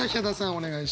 お願いします。